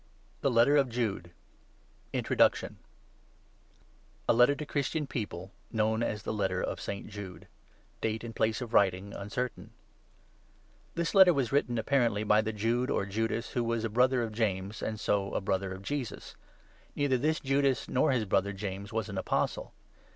THE LETTER OF JUDE. FROM JUDE •itiuc A LETTER TO CHRISTIAN PEOPLE. (KNOWN AS 'THE LETTER OF ST. JUDE'). [DATE AND PLACE OF WIPING UNCERTAIN.] THIS Letter was written apparently by the Jude (or Judas) who was a "brother of James," and so a brother of Jesus. Neither this Judas, nor his brother James, was an Apostle.